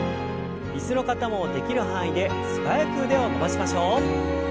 椅子の方もできる範囲で素早く腕を伸ばしましょう。